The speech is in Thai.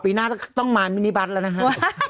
ปีหน้าจะต้องมามินิบัสแล้วนะครับ